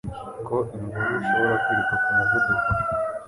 ko imvubu ishobora kwiruka ku muvuduko